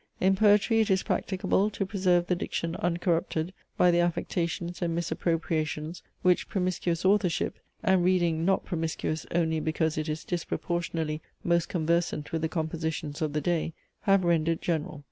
In poetry it is practicable to preserve the diction uncorrupted by the affectations and misappropriations, which promiscuous authorship, and reading not promiscuous only because it is disproportionally most conversant with the compositions of the day, have rendered general.